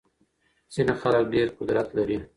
ځينې خلګ ډېر قدرت لري.